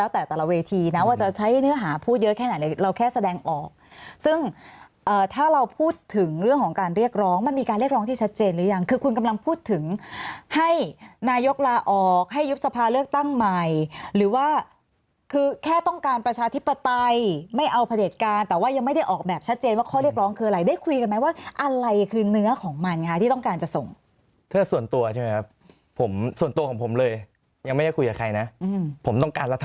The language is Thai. แล้วแต่แต่ละเวทีนะว่าจะใช้เนื้อหาพูดเยอะแค่ไหนเราแค่แสดงออกซึ่งถ้าเราพูดถึงเรื่องของการเรียกร้องมันมีการเรียกร้องที่ชัดเจนหรือยังคือคุณกำลังพูดถึงให้นายกราออกให้ยุทธภาเลือกตั้งใหม่หรือว่าคือแค่ต้องการประชาธิปไตยไม่เอาประเด็ดการณ์แต่ว่ายังไม่ได้ออกแบบชัดเจนว่าข้อเรียก